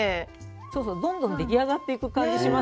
そうそうどんどん出来上がっていく感じしますよね。